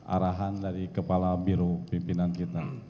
arahan dari kepala biro pimpinan kita